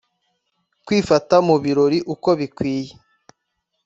Kwifata mu birori uko bikwiye